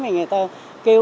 người ta kêu cứu